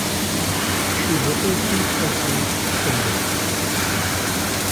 She referred to it as a "chevalet".